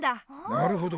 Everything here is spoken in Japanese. なるほど。